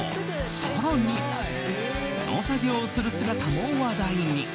更に農作業をする姿も話題に。